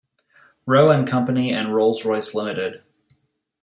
Roe and Company and Rolls Royce Limited.